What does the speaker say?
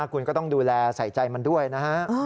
คุณก็ต้องดูแลใส่ใจมันด้วยนะฮะ